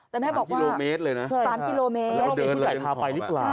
แต่แม่บอกว่าสามกิโลเมตรเลยนะสามกิโลเมตรพาไปรึเปล่าใช่